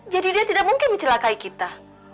jadi dia tidak mungkin mencelakai kita